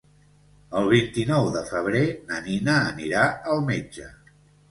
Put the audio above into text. El vint-i-nou de febrer na Nina anirà al metge.